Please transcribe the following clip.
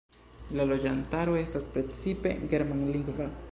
La loĝantaro estas precipe germanlingva.